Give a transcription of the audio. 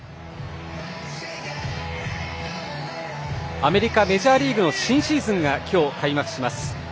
アメリカメジャーリーグの新シーズンが今日、開幕します。